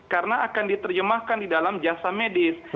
karena akan diterjemahkan di dalam jasa medis